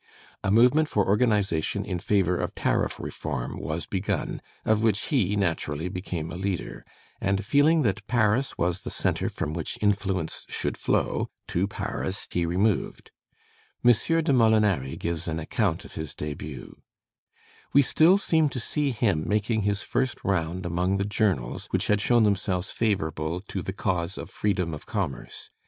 A movement for organization in favor of tariff reform was begun, of which he naturally became a leader; and feeling that Paris was the centre from which influence should flow, to Paris he removed. M. de Molinari gives an account of his debut: "We still seem to see him making his first round among the journals which had shown themselves favorable to cause of the freedom of commerce.